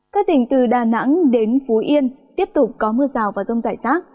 các tỉnh từ đà nẵng đến phú yên tiếp tục có mưa rào và rông rải rác